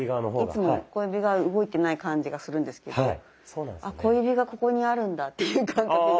いつも小指が動いてない感じがするんですけど「小指がここにあるんだ」っていう感覚が。